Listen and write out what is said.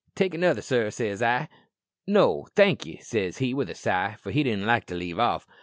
"'Take another, sir,' says I." "'No, thankee,' says he with a sigh, for he didn't like to leave off."